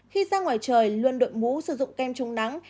khi ra ngoài trời luôn đội mũ sử dụng kem chống nắng